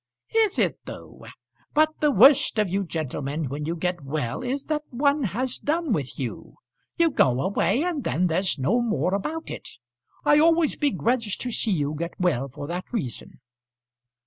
"Is it though? But the worst of you gentlemen when you get well is that one has done with you. You go away, and then there's no more about it. I always begrudge to see you get well for that reason."